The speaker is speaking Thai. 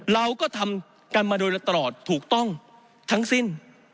เราก็ทำกันมาโดยตลอดถูกต้องทั้งสิ้น